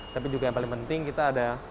tapi juga yang paling penting kita ada